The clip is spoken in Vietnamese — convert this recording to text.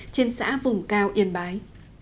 trên xã vùng cao yên bái